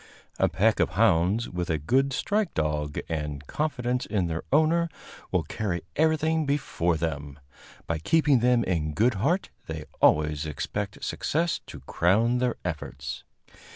A pack of hounds, with a good strike dog and confidence in their owner, will carry everything before them; by keeping them in good heart they always expect success to crown their efforts.